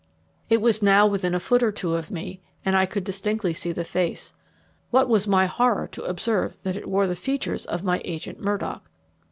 It was now within a foot or two of me, and I could distinctly see the face. What was my horror to observe that it wore the features of my agent Murdock.